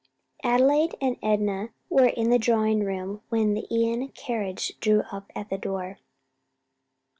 Adelaide and Enna were in the drawing room when the Ion carriage drew up at the door.